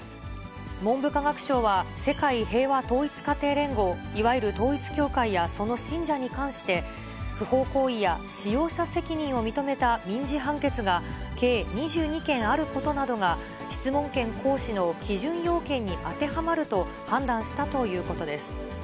文部科学省は、世界平和統一家庭連合、いわゆる統一教会やその信者に関して、不法行為や使用者責任を認めた民事判決が、計２２件あることなどが、質問権行使の基準要件に当てはまると判断したということです。